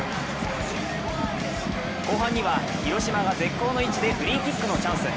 後半には広島が絶好の位置でフリーキックのチャンス。